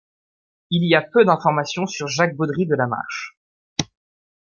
Il y a peu d'informations sur Jacques Baudry de Lamarche.